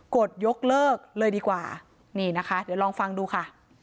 กดยกเลิกเลยดีกว่านี่นะคะเดี๋ยวลองฟังดูค่ะ